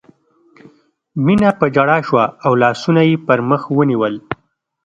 مينه په ژړا شوه او لاسونه یې پر مخ ونیول